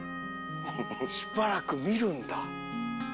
しばらく見るんだ。